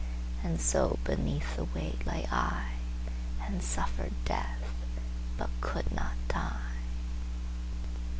And so beneath the weight lay IAnd suffered death, but could not die.